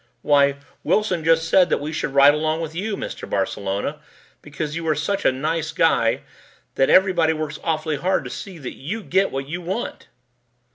"Why, Wilson just said that we should ride along with you, Mr. Barcelona, because you are such a nice guy that everybody works awfully hard to see that you get what you want."